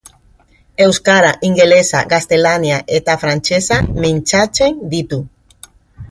Euskara, ingelesa, gaztelania eta frantsesa mintzatzen ditu.